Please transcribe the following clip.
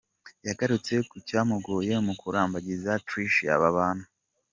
Yagarutse ku cyamugoye mu kurambagiza Tricia babana.